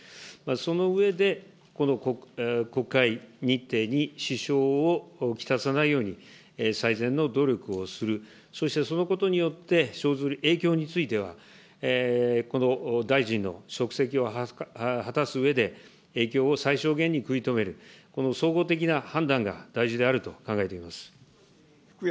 その上で、この国会日程に支障をきたさないように、最善の努力をする、そして、そのことによって生ずる影響については、この大臣の職責を果たすうえで、影響を最小限に食い止める、この総合的な判断が大事であると考えています。